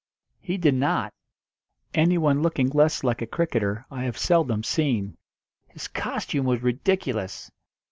He did not. Anyone looking less like a cricketer I have seldom seen. His costume was ridiculous.